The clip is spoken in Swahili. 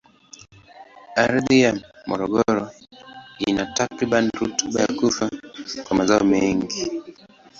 Ardhi ya Morogoro ina takribani rutuba ya kufaa kwa mazao mengi.